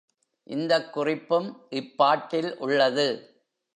இந்தக் குறிப்பும் இப்பாட்டில் உள்ளது.